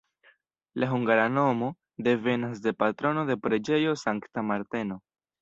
La hungara nomo devenas de patrono de preĝejo Sankta Marteno.